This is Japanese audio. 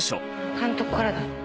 監督からだ。